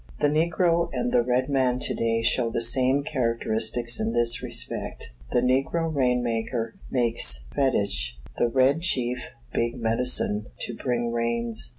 The negro and the red man to day show the same characteristics in this respect. The negro rain maker makes fetich; the red chief, "big medicine," to bring rains.